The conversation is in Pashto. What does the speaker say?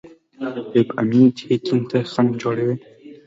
د ویب امنیت هیکینګ ته خنډ جوړوي.